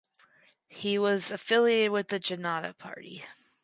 He was affiliated with Janata Party.